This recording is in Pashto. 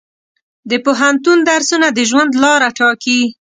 د پوهنتون درسونه د ژوند لاره ټاکي.